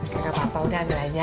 gak apa apa udah ambil aja